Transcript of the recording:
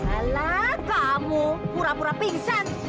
ala kamu pura pura pingsan